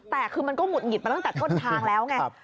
แต่คือมันก็หงุดหงิดมาตั้งแต่ต้นทางแล้วไง